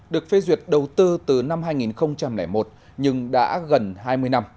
được phê duyệt đầu tư từ năm hai nghìn một nhưng đã gần hai mươi năm